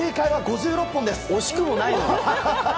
惜しくもないな。